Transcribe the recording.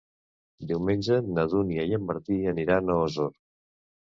Diumenge na Dúnia i en Martí aniran a Osor.